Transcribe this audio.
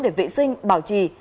để vệ sinh bảo trì